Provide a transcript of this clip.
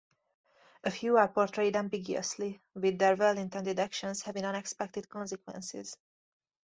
A few are portrayed ambiguously, with their well-intended actions having unexpected consequences.